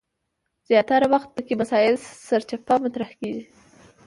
زیاتره وخت پکې مسایل سرچپه مطرح کیږي.